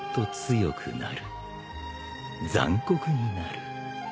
残酷になる。